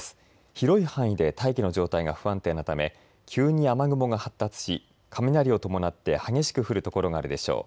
広い範囲で大気の状態が不安定なため急に雨雲が発達し雷を伴って激しく降る所があるでしょう。